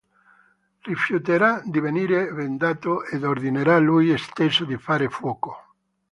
Rifiuterà di venire bendato ed ordinerà lui stesso di fare fuoco.